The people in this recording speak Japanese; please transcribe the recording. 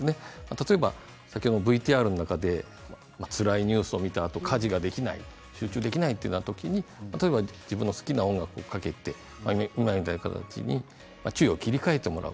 例えば、ＶＴＲの中でつらいニュースを見たあとに家事に集中できないといった時に自分の好きな音楽をかけて今のように注意を切り替えてもらう。